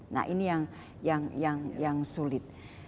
nah ini yang sulit